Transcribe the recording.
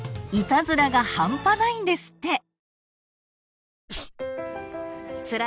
いたずらが半端ないんですって］